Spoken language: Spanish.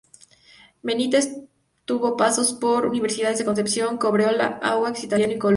Benítez tuvo pasos por Universidad de Concepción, Cobreloa, Audax Italiano y Colo-Colo.